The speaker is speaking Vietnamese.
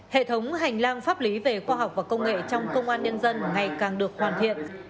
hệ thống hành lang pháp lý về khoa học và công nghệ trong công an nhân dân ngày càng được hoàn thiện